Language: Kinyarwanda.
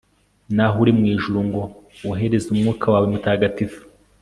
n'aho uri mu ijuru ngo wohereze umwuka wawe mutagatifu